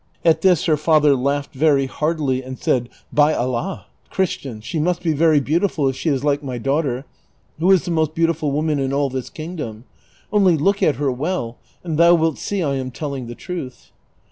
At this her father laughed very heartily and said, " By Allah, Chris tian, she must be very beautiful if she is like my daughter, who is the most beautiful woman in all this kingdom : only look at her well and thou wilt see I am telling the truth."